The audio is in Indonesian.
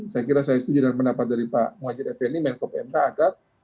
saya kira saya setuju dengan pendapat dari pak muhajir effendi menko pmk agar